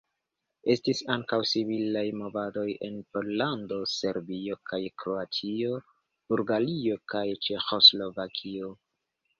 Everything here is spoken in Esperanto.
Estis ankaŭ similaj movadoj en Pollando, Serbio kaj Kroatio, Bulgario kaj Ĉeĥoslovakio.